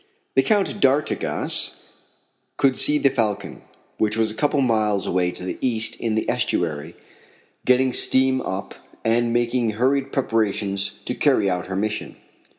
The Count d'Artigas could see the Falcon, which was a couple of miles away to the east in the estuary, getting steam up and making hurried preparations to carry out her mission.